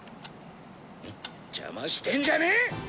邪魔してんじゃねえ！